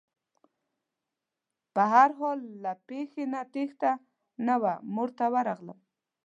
په هر حال له پېښې نه تېښته نه وه مور ته ورغلم.